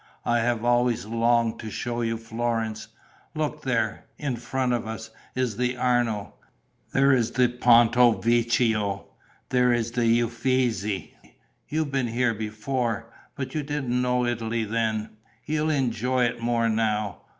I have always longed to show you Florence. Look, there, in front of us, is the Arno; there is the Ponto Vecchio; there is the Uffizi. You've been here before, but you didn't know Italy then. You'll enjoy it more now.